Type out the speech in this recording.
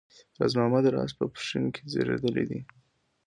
راز محمد راز په پښین کې زېږېدلی دی